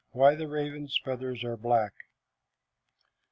WHY THE RAVEN'S FEATHERS ARE BLACK.